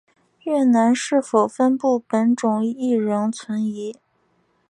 越南是否分布本种亦仍存疑。